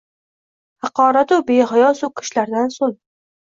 Haqoratu behayo so’kishlardan so’ng